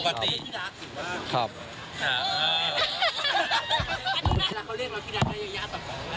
เวลาเขาเรียกเราที่ตายย้าต่อปากกระดาฬค่ะ